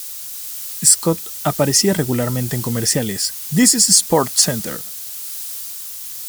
Scott aparecía regularmente en los comerciales "This is SportsCenter".